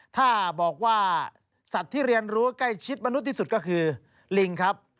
ถ้าบอกว่าสัตว์ที่เรียนรู้ใกล้ชิดมนุษย์ที่สุดก็คือลิงครับ